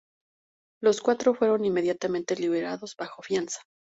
Los cuatro fueron inmediatamente liberados bajo fianza.